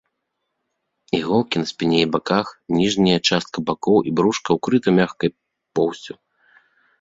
Іголкі на спіне і баках, ніжняя частка бакоў і брушка ўкрыта мяккай поўсцю.